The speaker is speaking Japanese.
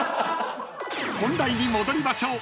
［本題に戻りましょう！